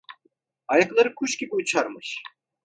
Ayakları kuş gibi uçarmış.